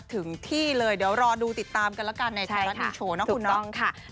ถึงที่เลยเดี๋ยวรอดูติดตามกันละกันในแทรกดีโชว์นะคุณ